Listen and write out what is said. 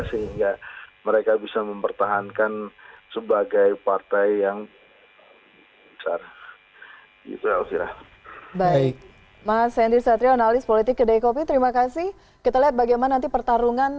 sehingga mereka bisa mempertahankan sebagai partai yang besar